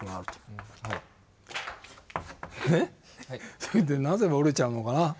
それでなぜ折れちゃうのかな。